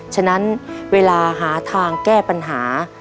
ฉะนั้นเวลาหาทางแก้ปัญหา